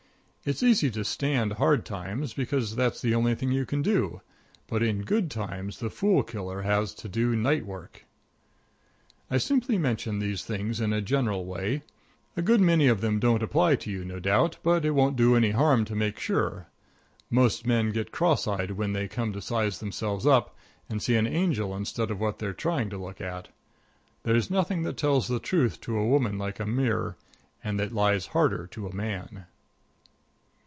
It's easy to stand hard times, because that's the only thing you can do, but in good times the fool killer has to do night work. I simply mention these things in a general way. A good many of them don't apply to you, no doubt, but it won't do any harm to make sure. Most men get cross eyed when they come to size themselves up, and see an angel instead of what they're trying to look at. There's nothing that tells the truth to a woman like a mirror, or that lies harder to a man.